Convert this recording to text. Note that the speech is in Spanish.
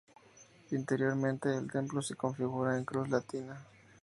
Interiormente, el templo se configura en cruz latina.